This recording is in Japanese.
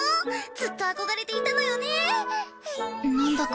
ずっと憧れていたのよね。